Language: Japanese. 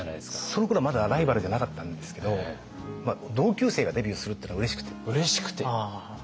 そのころはまだライバルじゃなかったんですけど同級生がデビューするっていうのがうれしくて。